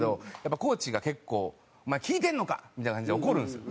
コーチが結構「お前聞いてるのか！」みたいな感じで怒るんですよ。